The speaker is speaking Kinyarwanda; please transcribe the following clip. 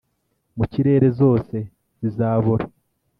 Mu kirere zose zizabora